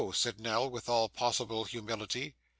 said Nell, with all possible humility.